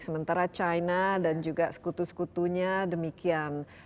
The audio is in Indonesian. sementara china dan juga sekutu sekutunya demikian